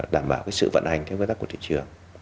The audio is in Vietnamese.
đảm bảo cái sự vận hành theo phương tác của thị trường